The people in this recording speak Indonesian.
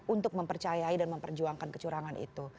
untuk mempercayai dan memperjuangkan kecurangan itu